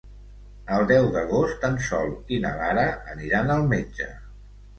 El deu d'agost en Sol i na Lara aniran al metge.